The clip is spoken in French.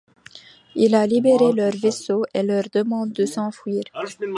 Il a libéré leur vaisseau et leur demande de s'enfuir.